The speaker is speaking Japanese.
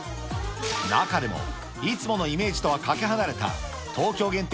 中でも、いつものイメージとはかけ離れた東京限定